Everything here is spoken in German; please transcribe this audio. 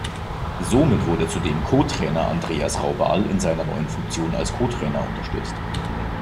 Somit wurde zudem Co-Trainer Andreas Raubal in seiner neuen Funktion als Co-Trainer unterstützt.